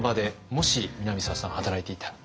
もし南沢さん働いていたら。